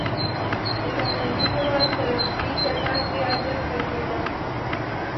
د ګاونډي هېواد کرنسي چټک بې ارزښته کېده.